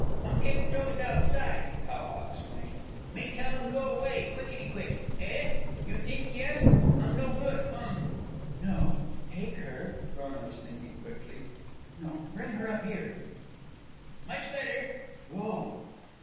"Um kick toes outside," How ha explained. "Me tell um go 'way quickety quick? Eh? You t'ink yes? Um no good. Um " "No. Take her," Frona was thinking quickly, "no; bring her up here." "Much better " "Go!"